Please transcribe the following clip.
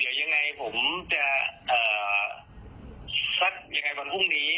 เดี๋ยวยังไงผมจะสักยังไงวันพรุ่งนี้